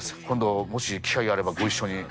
今度もし機会があればご一緒に。